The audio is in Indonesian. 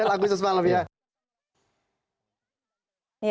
sembilan agustus malam ya